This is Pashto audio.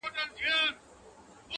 زه د مظلوم تر څنګ درېدل ویاړ ګڼم